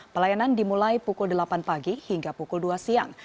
pelayanan dimulai pukul delapan pagi hingga pukul dua siang